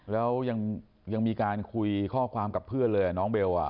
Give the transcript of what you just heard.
แล้วยังมีการคุยข้อความกับเพื่อนเลยน้องเบล